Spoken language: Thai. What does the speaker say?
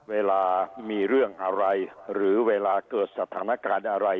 เวลามีเรื่องอะไรหรือเวลาเกิดสถานการณ์อะไร